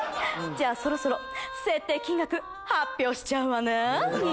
じゃあそろそろ設定金額発表しちゃうわね！